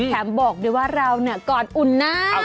บอกด้วยว่าเราเนี่ยก่อนอุ่นน้ำ